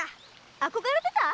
憧れてた？